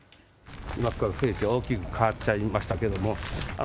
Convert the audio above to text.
大きく変わっちゃいましたけれども。